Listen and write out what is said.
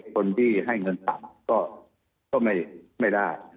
คนที่ให้เงินต่ำก็ไม่ได้